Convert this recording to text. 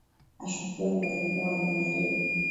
ashukiwa na walikuwa wanajaribu